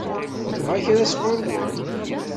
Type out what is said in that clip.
Tebɣa kra sɣur-wen?